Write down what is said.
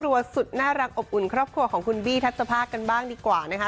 สุดน่ารักอบอุ่นครอบครัวของคุณบี้ทัศภาคกันบ้างดีกว่านะคะ